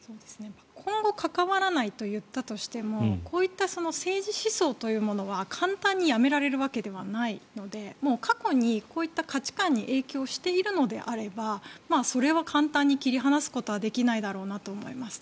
今後、関わらないと言ったとしてもこういった政治思想というものは簡単にやめられるわけではないので過去にこういった価値観に影響しているのであればそれは簡単に切り離すことはできないだろうなと思います。